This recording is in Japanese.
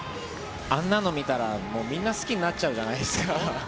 あんなの見たら、もうみんな好きになっちゃうじゃないですか。